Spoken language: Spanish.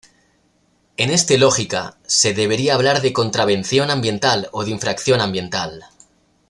En este lógica, se debería hablar de contravención ambiental o de infracción ambiental.